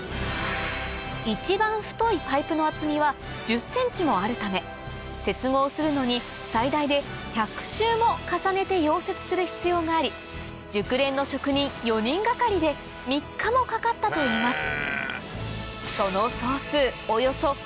一番太いパイプの厚みは１０ｃｍもあるため接合するのに最大で１００周も重ねて溶接する必要があり熟練の職人４人がかりで３日もかかったといいます